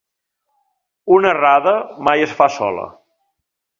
Una errada mai es fa sola.